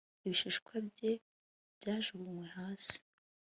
ibishishwa bye byajugunywe hasi